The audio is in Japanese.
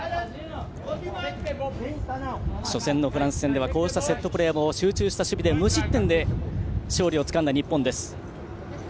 初戦のフランス戦ではこうしたセットプレーも集中した守備で無失点で勝利をつかんだ日本。